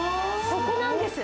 ここなんです。